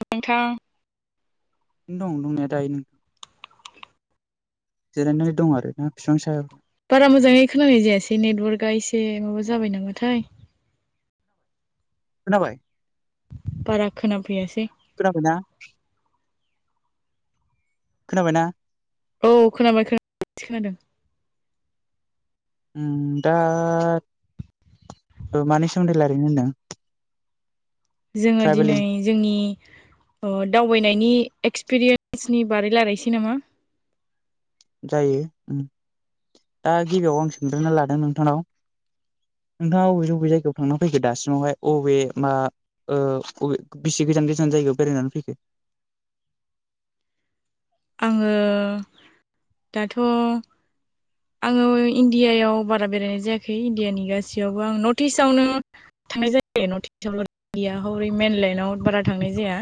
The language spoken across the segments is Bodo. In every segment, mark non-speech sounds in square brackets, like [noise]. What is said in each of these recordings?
नोंथां दं दंनाया दायो नो जिरायनानै दं आरोना बिफां साया बारा मोजाङै खोनानाय जायासै नेटवारकआ एसे माबा जाबाय नामाथाय। खोनाबाय। बारा खोना फैयासै। खोनाबायना? खोनाबायना? औ खोनाबाय खो [inaudible] खोनादों। उम्म दा मानि सोमोन्दै लायरायनो होनदों? जोङो दिनै ट्रेभेलिं जोंनि अ दावबायनायनि एक्सपिरियेन्सनि बारै लायरायसै नामा? जायो दा गिबियाव आं सोंग्रोना लादों नोंथांनाव। [inaudible] नोंथाङा अबे अबे जायगायाव थांना फैखो दासिमावहाय अबे मा ओ अबे बेसे गोजान गोजान ज जायगायाव बेरायनानै फैखो? आंङो दाथ' आंङो इण्डियायाव बारा बेरायनाय जायाखै इण्डियानि गासैयावबो आं नर्थ इस्ट आवनो थांनाय [unintelligible] [unintelligible] हरै मेनलेणडआव बारा थांनाय जाया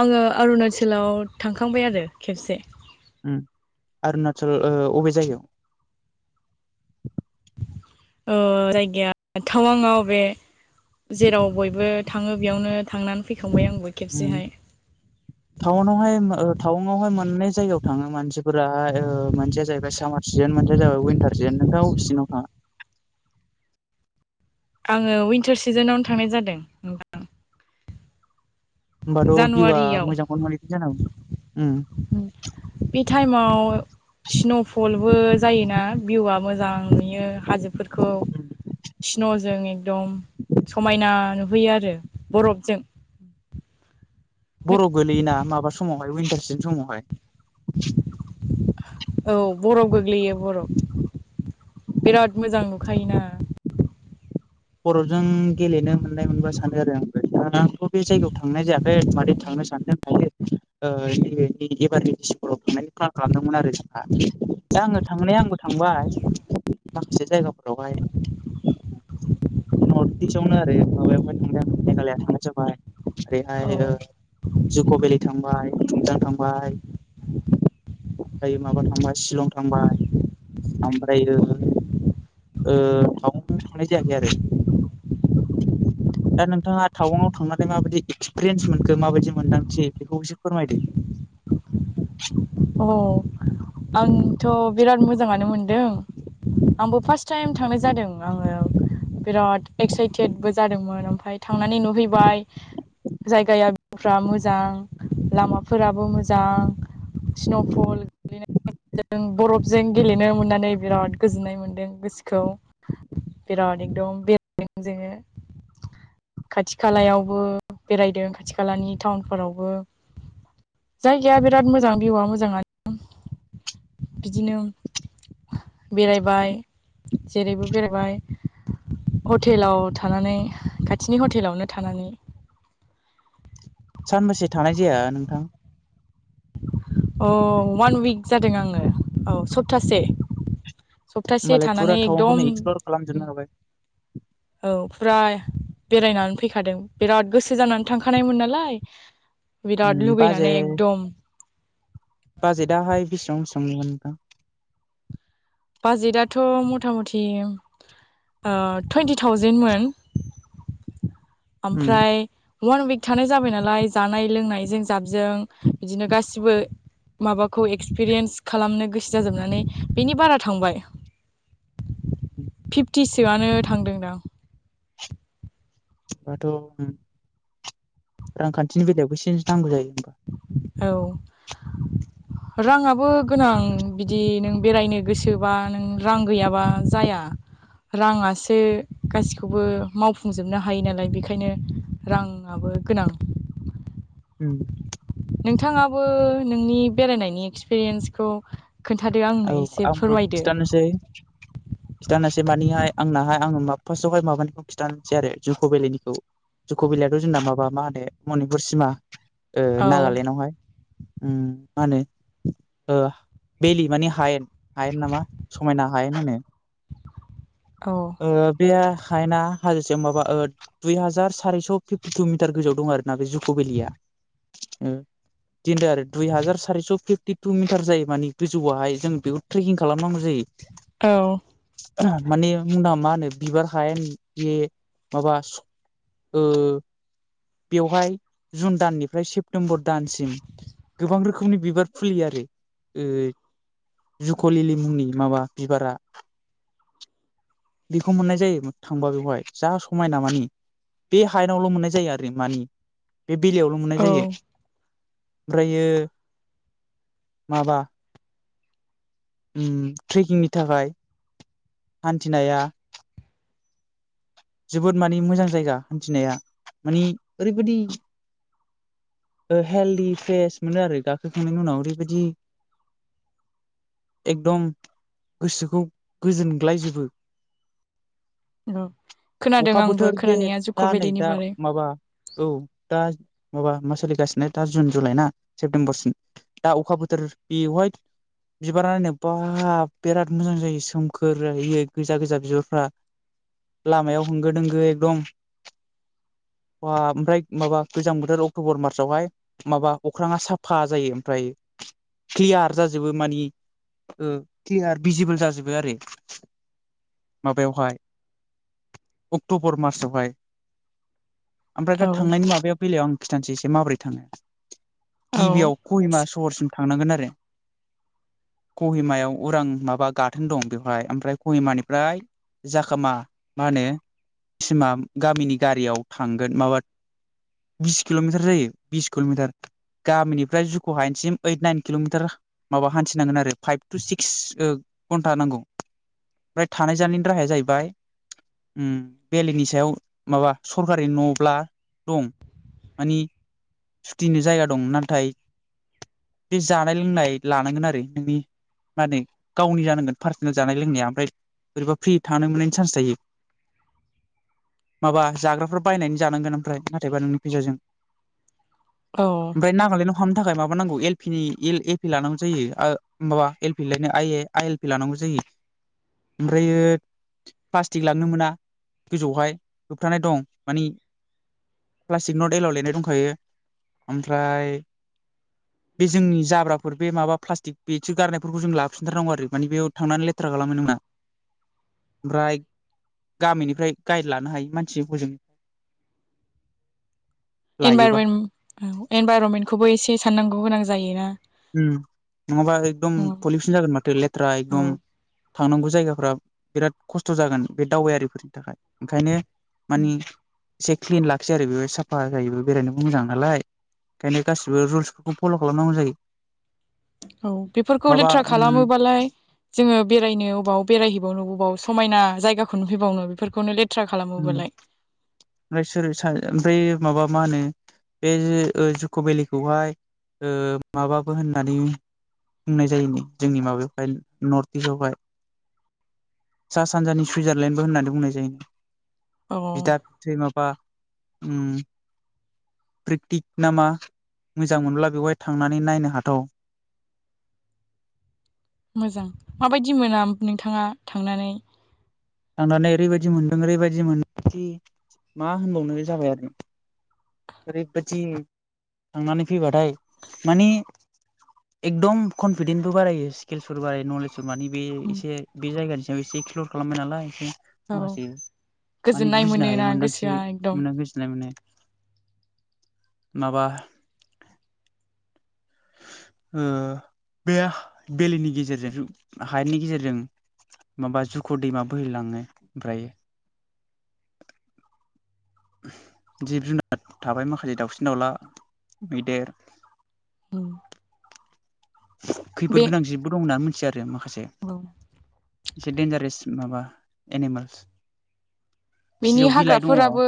आंङो अरुणाचलाव थांखांबाय आरो खेबसे। उम्म अरुणाचल ओ अबे जायगायाव? ओ जायगाया टावांआव बे जेराव बयबो थाङो बेयावनो थांनानै फैख [unintelligible] खेबसेहाय टावानावहाय ओ टावांङावहाय मोननै जायगायाव थाङो मानसिफोराहाय मोनसेया जाहैबाय सामार सिजोन मोनसे जाबाय विनटार नोंथांङा अबे सिजिनाव थाङा? आंङो विन्टार सिजोनावनो थांनाय जादों नोंथां। होमबाथ' भिउआ जानुवारियाव मोजांखौनो मोनहैदों जानांगोन? बे टाइमाव स्न'फलबो जायोना भिउआ मोजा मोजां नुयो हाजोफोरखौ। स्न'जों एकदम समायना नुहैयो आरो बरफजों बर'फ गोलैयोना माबा समावहाय विनटार सिजेन समावहाय? औ बर'फ गोग्लैयो बर'फ। बिराद मोजां नुखायोना। खर'जों गेलेनो मोननाय मोनबा सानो आरो आंबो दा बे जायगायाव थांनाय जायाखै मादै थांनो सानदों [unintelligible] ओ ए-ए-एबार स्कुलाव थांनाय क्ला खालामदोंमोन आरो जोंहा। दा आंङो थांनाया आंबो थांबाय माखासे जायगाफोरावहाय। टिसावनो आरो माबायावहाय थांदों मेघालया थांनाय जाबाय आरैहाय ओ औ जुक' भेलि थांबाय बंदां थांबाय। फायो माबा थांबाय शिलं थांबाय। ओमफ्राय ओ ओ टावां आव थांनाय जायाखै आरो। दा नोंथाङा टावांङाव थांनानै माबायदि एक्सपिरियेन्स मोनखो माबायदि मोनदांथि बेखौसो फोरमायदो। औ आंथ' बिराद मोजाङानो मोनदों आंबो फार्स्ट टाइम थांनाय जादों आंङो बिराद एक्साइटेडबो जादोंमोन ओमफ्राय थांनानै नुहैबा जायगाफ्रा मोजां लामाफोराबो मोजां स्न'फल गोलैनाय जों बरफजों गेलेनो मोननानै बिराद गोजोननाय मोन्दों गोसोखौ। बिराद एकदम बेरायदों जोङो। खाथि खालायावबो बेरायदों खाथि खालानि टाउनफोरावबो जायगाया बिराद मोजां भिउआ मोजाङानो बिदिनो बेरायबाय जेरैबो बेरायबाय। हटेलाव थानानै खाथिनि हटेलावनो थानानै सानबैसे थानाय जाया नोंथां? औ वान उइक जादों आङो औ सप्तासे। सप्तासे होमबालाय फुरा थानानै टावांखौनो एकदम एक्सप्लर खालामजोबनो हाबाय औ। फ्राय बेरायनानै फैखादों बिराद गोसो जानानै थांखानायमोन नालाय उम बिराद लुुबैनानानै एकदम बाजेटाहाय बिसिबां बिसिबांमोन नोंथां? बाजेटआथ' मथा मथि ओ टुइन्टि थावजेेनमोन। उम ओमफ्राय वान उइक थानाय जाबाय नालाय जानाय लोंनायजों जाबजों बिदिनो गासि-' बो माबाखौ एक्सपिरियेन्स खालामनो गोसो जाजोबनानै बिनि बारा थांबाय फिफ्टिसोआनो थांदोंदां। बाथ' ओम, रांखान्थिनि बेलायावबो एसेसो नांगौ जायो होमबा औ राङाबो गोनां बिदि नों बेरायनो गोसोबा नों रां गैयाबा जाया। राङासो गासिखौबो मावफुंजोबनो हायो नालाय बेखायनो राङाबो गोनां। उम नोंथाङाबो नोंनि बेरायनायनि एक्सपिरियेन्सखौ खोन्थादो औ आंनो एसे फोरमायदो। खिन्थानोसै मानिहाय आंनाहाय आङो फार्स्टआवहाय माबानिखौ खिन्थानोसै आरो जुक'' भेलेनिखौ। जुक'बिलिआथ' जोंना माबा मा होनो मनिपुर सिमा ओ, औ नागालेण्डआवहाय ओम, मा होनो ओ भेलि माने हायेन! हायेन नामा? समायना हायेन होनो। औ ओ, बेया हायेना! हाजोसायाव माबा ओ, दुइ हाजार सारिस' फिफ्टि टु मिटार गोजौआव दं आरोना बे जुक' भेलिया। ओम दि आरो दुइ हाजार सारिस' फिफ्टि टु मिटार जायो मानि गोजौआ हाय जों बेखौ ट्रेकिं खालामनांगौ जायो। औ आ, माने मना मा होनो बिबार हायेन ये, माबा स, ओ, बेवहाय जुन दाननिफ्राय सेप्तेम्बर दानसिम गोबां रोखोमनि बिबार फुलियो आरो ओ, जुख'लिलि मुंनि माबा बिबारा। बेखौ मोननाय जायो थांबा बेवहाय जा समायना माने बे हायेनावल' मोननाय जायो आरो माने बे भेलियावल' मोननाय औ जायो। ओमफ्रायो माबा ओम, ट्रेकिंनि थाखाय हान्थिनाया जोबोद मान मोजां जायगा हान्थिनाया मानि, ओरैबायदि हेल्दि फ्रेस मोनो आरो गाखोखांनायनि उनाव ओरैबायदि एकदम गोसोखौ गोजोनग्लायजोबो। ओम। अखा बोथोर बे दा नै भेलिनि दा बारै माबा औ दा माबा मा सोलिगासिनो दा जुन जुलाइ ना सेप्तेम्बरसिम दा अखा बोथोर बेवहाय बिबारा नायनो बाब बिराद मोजां जायो सोमखोरै गोजा गोजा बिबारफ्रा [inaudible] लामायाव होंगो दोंगो एकदम [inaudible] बाह ओमफ्राय माबा गोजां बोथोर अक्ट बर मासआवहाय माबा अख्राङा साफा जायो ओमफ्राय क्लियार जाजोबो मानि ओ क्लियार भिजिबोल जाजोबो आरो माबायावहाय अक्ट बर मार्स आवहाय ओमफ्राय दा औ थांनायनि माबायाव बेलायाव आं खिथानसै एसे माब्रै थाङो औ गिबियाव कहिमा सहरसिम थांनांगोन आरो कहिमायाव उरां माबा गाथोन दं बेवहाय ओमफ्राय कहिमानिफ्राय जाखोमा मा होनो थिमा गामिनि गारियाव थांगोन माबा बिस किलमिटार जायो बिस किलमिटार गामिनिफ्राय जुख हायेनसिम ओइड नाइन किलमिटार माबा हान्थिनांगोन आरो फाइभ टु सिक्स ओ घन्टा नांगौ ओमफ्राय थानाय जानायनि राहाया जाहैबाय ओम बेलेगनि सायाव माबा सरकारि नब्ला दं मानि सुतिनि जायगा दं नाथाय बे जानाय लोंनाय लानांगोन आरो नोंनि माने गावनि जानांगोन पार्सनेल जानाय लोंनाया ओमफ्राय बोरैबा फ्रि थानो मोननायनि चान्स थायो [inaudible] माबा जाग्राफोर बायनानै जानांगोन ओमफ्राय नाथायबा नोंनि फैसाजों औ ओमफ्राय नागालेण्डआव हाम थाखाय माबा नांगौ एल पि नि एल पि लानांगौ जायो माबा एल पि लायनो आइ आइ एल पि लानांगौ जायो [inaudible] ओमफ्रायो प्लास्टिक लांनो मोना गोजौहाय होबथानाय दं मानि प्लास्टिक नट एलावड लिरनाय दंख खायो ओमफ्राय बे जोंनि जाब्राफोर बे माबा प्लास्टिक बेसो गारनाय फोरखौ जों लाफिनथारनांगौ आरो माने बेयाव थांनानै लेथ्रा खालामहैनो मोना ओमफ्राय गामिनिफ्राय गाइड लानो हायो मानसि हजों [inaudible] लायोबा एनभायरमेन्ट एनभाररनमेन्टखौबो एसे साननांगौ गोनां जायोना? उम नङाबा एकदम पलिउसन जागोन माथो लेथ्रा एकदम औ थांनांगौ जायगाफ्रा बिराद खस्थ जागोन बे दावबायारिफोरनि थाखाय ओंखायनो मानि एसे क्लिन लाखियो आरो बेवहाय साफा जायोबो बेरायनोबो मोजां नालाय ओंखायनो गासिबो रुल्सफोरखौ फल खालामनांगौ जायो औ बेफोरखौ माबा लेथ्रा उम खालामोबालाय जोङो बेरायनो अबाव बेरायहैबावनो ओबाव समायना जायगाखौ नुहैबावनो बेफोरखौनो लेट ओम ओमफ्राय सोर ओमफ्राय माबा मा होनो? बे ओ जुक भेलिखौहाय ओ माबाबो होननानै बुंनाय जायनो जोंनि माबायावहाय नर्थ इस्टआवहाय सा सानजानि सुइजारलेण्डबो होननानै बुंनाय जायो औ बिदाबिबथै माबा उम प्रेकटिक नामा मोजां मोनब्ला बेवहाय थांनानै नायनो हाथाव मोजां माबायदि मोना नोंथाङा थांनानै? थांनानै ओरैबायदि मोनदों ओरैबायदि मोनदि मा होनबावनो जाबाय आरो ओरैबायदि थांनानै फैबाथाय मानि एकदम कनफिदेन्टबो बारायो स्किलसबो बारायो नलेज मानि बे एसे बे जायगानि सायाव एसे एक्सप्लर खालामबाय नालाय औ माखासे माने गोजोननाय बुजिनो मोनोना हायो मोनदांथि गोसोआ एकदम मोनदां बुजिनाय माने माबा ओ बे बेलिनि गेजेरजों हायेननि गेजेरजों माबा जुखु दैमा बोहैलाङो ओमफ्राय [inaudible] जिब जुनार थाबाय माखासे दाउसिन दाउला मैदेर उम खैफोद गोनां जिबो दं होननानै मिथियो आरो माखासे औ एसे देनजारेस माबा एनिमेल्स बेनि सिजौ बिलाइ दङ हाग्राफोराबो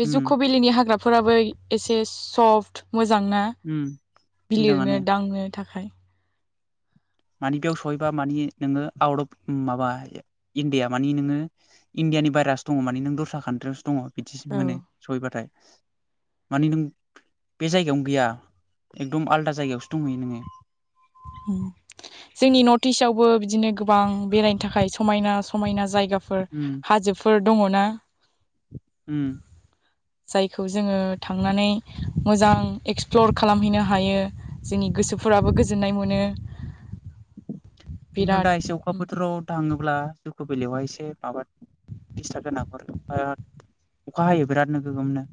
बे उम जुख'बिलिनि हाग्रा फोराबो एसे सफ्ट मोजांना उम बिलिरनो मोजाङानो दांनो थाखाय मानि बेयाव सहैबा मानि नोङो आउट अफ माबा इण्डिया मानि नोङो इण्डयानि बाइरास दङ माने नों दस्रा कान्ट्रियावस दङ बिदिस औ मोनो सहैबाथाय मानि नों बे जायगायावनो गैया एकदम आलदा जायगायावसो दंहैयो नोङो औ जोंनि नर्थ इस्ट आवबो बिदिनो गोबां बेरायनो थाखाय समायना समायना जायगाफोर हाजोफोर दङो ना हम जायखौ जोङो थांनानै मोजां एक्सप्लर खालामहैनो हायो जोंनि गोसोफोराबो गोजोननाय मोनो खिन्थु बिराद दा एसे अखा बोथोराव थाङो अब्ला जुख बेलायावहाय एसे माबा दिस्टार जानो हागौ [unintelligible] अखा हायो बिराद नो गोबांनो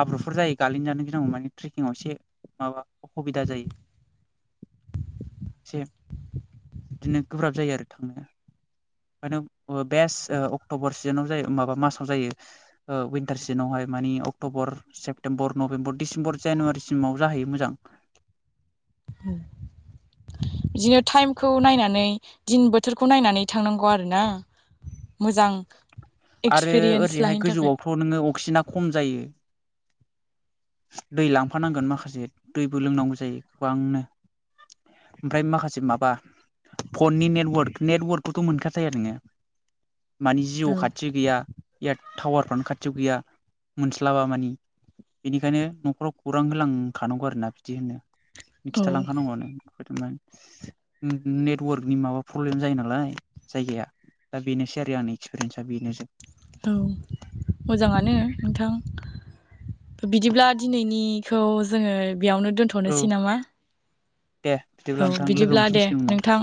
हाब्रुफोर जायो गालिनोजानो गोनां माने ट्रेकिंआव एसे माबा असुबिदा जायो [inaudible] एसे बिदिनो गोब्राब जायो आरो थांनो ओखायनो बेस्ट अक्ट'बर सिजोनाव जायो माबा मासाव जायो विनटार सिजोनावहाय ओमफ्राय मानि अक्ट'बर सेप्तेम्बर नभेम्बर डिसेम्बर जानुवारिसिमाव जाहैयो मोजां [unintelligible] बिदिनो टाइमखौ नायनानै दिन बोथोरखौ नायनानै थांनांगौ आरोना [inaudible] आरो एक्सपिरियेन्स ओरैहाय लाहैनो थाखाय गोजौआवथ' नोङो अक्सिजेना खम जायो दै लांफानांगोन माखासे दैबो लोंनांगौ जायो गोबांनो ओमफ्राय माखासे माबा फननि नेटवारक नेटवारकखौथ' मोनखथाय नोङो माने जिउ औ खाथि गैया एयार टावारफ्रानो खाथियाव गैया मोनस्लाबा मानि बेनिखायनो न'खराव खौरां होलांखानांगौ आरो ना बिदि होनो औ खिन्थाालांखानांगौआनो नेटवर्कनि माबा प्रब्लेम जायो नालाय जायगाया दा बेनोसै आरो आंनि एक्सपिरियेन्सआ बेनोसै औ मोजाङानो नोंथां बिदिब्ला दिनैनिखौ जोङो बेयावनो औ दोनथ'नोसै नामा दे बिदिब्ला औ नोंथां लोगो बिदिब्ला दे मोनफिनसिगोन उनाव नोंथां